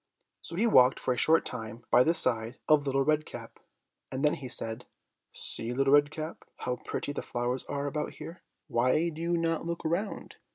So he walked for a short time by the side of Little Red Cap, and then he said, "See Little Red Cap, how pretty the flowers are about here—why do you not look round?